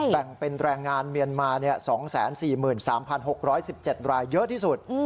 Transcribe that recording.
แบ่งเป็นแรงงานเมียนมา๒๔๓๖๑๗รายเยอะที่สุด